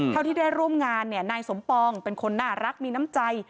เท่าที่ได้ร่วมงานเนี่ยนายสมปองเป็นคนน่ารักมีน้ำใจ